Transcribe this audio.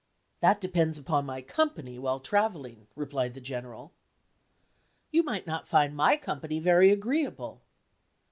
"That depends upon my company while travelling," replied the General. "You might not find my company very agreeable."